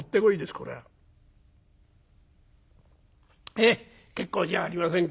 へえ結構じゃありませんか」。